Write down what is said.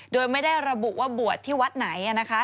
โดยไม่ได้ระบุว่าบวชที่วัดไหน